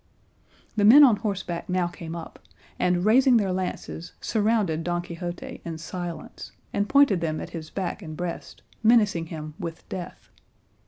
The men on horseback now came up, and raising their lances surrounded Don Quixote in silence, and pointed them at his back and breast, menacing him with death.